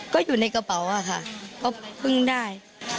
ก็อยู่ในกระเป๋าอะค่ะก็เพิ่งได้